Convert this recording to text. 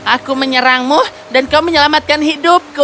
aku menyerangmu dan kau menyelamatkan hidupku